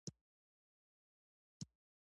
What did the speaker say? احمد ټوله شپه خدای ته پر يوه پښه ولاړ وو.